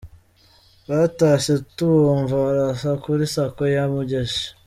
Batashye tubumva barasa kuri sacco ya Bugeshi.